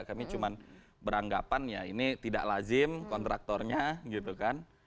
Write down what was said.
kami cuma beranggapan ya ini tidak lazim kontraktornya gitu kan